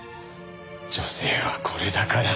女性はこれだから。